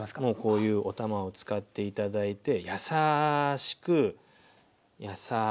こういうお玉を使って頂いて優しく優しく。